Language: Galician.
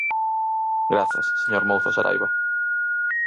Grazas, señor Mouzo Saraiba.